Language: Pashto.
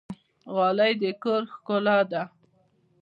غالۍ د کور ښکلا ده